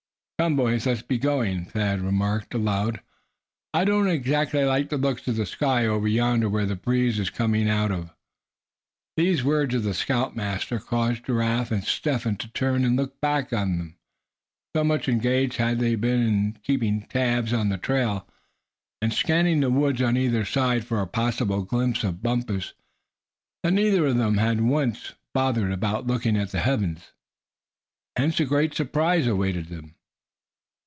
"Come, boys, let's be going on," Thad remarked, aloud. "I don't exactly like the looks of the sky over yonder where the breeze is coming out of." These words of the scoutmaster caused Giraffe and Step Hen to turn and look back of them. So much engaged had they been in keeping tabs on the trail, and scanning the woods on either side for a possible glimpse of Bumpus, that neither of them had once bothered about looking at the heavens. Hence a great surprise awaited them.